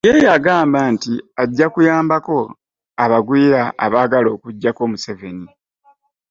Ye yagamba nti ajja kuyambako abagwira abaagala okuggyako Museveni